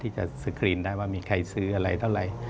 ที่จะสครีนได้ว่ามีใครซื้ออะไร